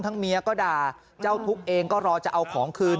เมียก็ด่าเจ้าทุกข์เองก็รอจะเอาของคืน